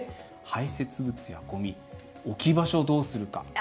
排せつ物やごみ置き場所どうするか。